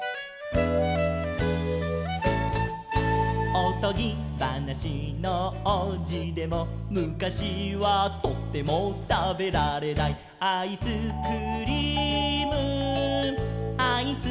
「おとぎばなしのおうじでもむかしはとてもたべられない」「アイスクリームアイスクリーム」